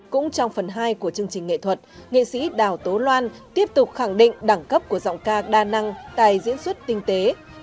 cũng trong phần hai của chương trình nghệ thuật nghệ sĩ đào tố loan tiếp tục khẳng định đẳng cấp của giọng ca đa năng tài diễn xuất tinh tế